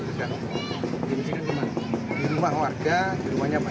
ini diungsikan di rumah warga di rumahnya pak rt